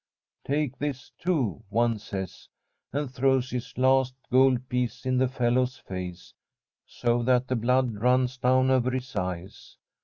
' Take this too,' one says, and throws his last gold piece in the fellow's face so that the blood runs down over his eyes.